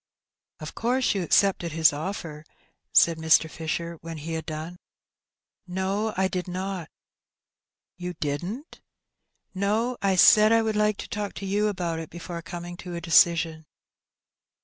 " Of course you accepted his offer ?" said Mr. Fisher, when he had done. "No, I did not." "You didn't?" " No ; I said I would like to talk to you about it before coming to a decision."